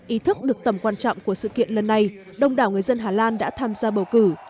ý thức được tầm quan trọng của sự kiện lần này đông đảo người dân hà lan đã tham gia bầu cử